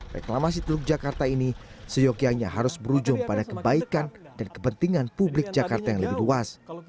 reklamasi teluk jakarta ini seyogianya harus berujung pada kebaikan dan kepentingan publik jakarta yang lebih luas